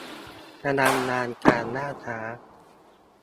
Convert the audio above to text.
ระวังงานการล่าช้า